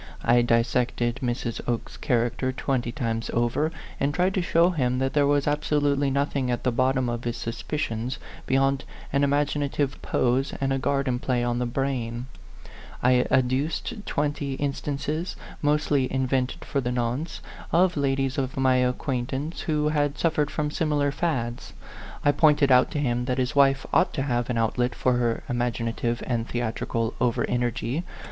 I dissected Mrs. Oke's character twenty times over, and tried to show him that there was absolutely nothing at the bottom of his suspicions beyond an imagina tive pose and a garden play on the brain. I 134 A PHANTOM LOVER. adduced twenty instances, mostly invented for the nonce, of ladies of my acquaintance who had suffered from similar fads. I pointed out to him that his wife ought to have an outlet for her imaginative and the atrical over energy.